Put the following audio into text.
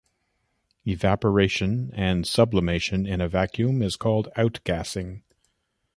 Evaporation and sublimation into a vacuum is called outgassing.